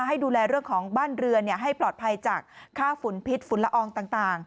ให้ดูแลเรื่องของบ้านเรือนให้ปลอดภัยจากค่าฝุ่นพิษฝุ่นละอองต่าง